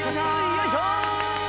よいしょ。